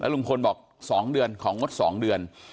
ลุงพลบอก๒เดือนของงด๒เดือน